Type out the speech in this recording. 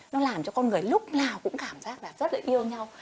nó làm cho con người lúc nào cũng cảm giác là rất là yêu nhau